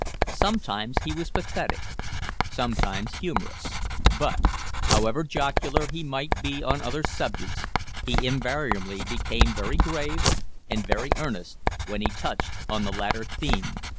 Sometimes he was pathetic, sometimes humorous, but, however jocular he might be on other subjects, he invariably became very grave and very earnest when he touched on the latter theme.